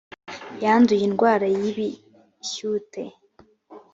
yanduye indwara y’ibishyute